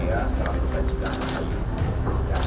yang pertama sederhana dan bersabda selamat berkajikan